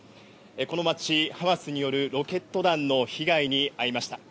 この街、ハマスによるロケット弾の被害に遭いました。